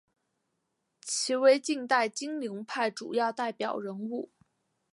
其为近代金陵派主要代表人物。